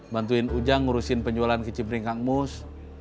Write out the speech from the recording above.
bantuin ujang ngurusin penjualan kecil peringkat mus